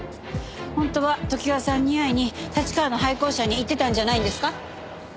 本当は常盤さんに会いに立川の廃校舎に行ってたんじゃないんですか？